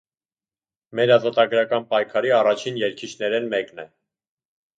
Մեր ազատագրական պայքարի առաջին երգիչներէն մէկն է։